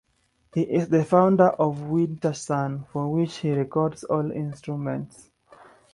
He is the founder of Wintersun for which he records all instruments.